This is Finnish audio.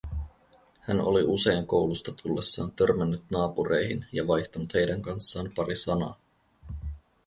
Hän oli usein koulusta tullessaan törmännyt naapureihin ja vaihtanut heidän kanssaan pari sanaa.